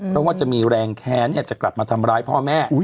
เพราะว่าจะมีแรงแค้นจะกลับมาทำร้ายพ่อแม่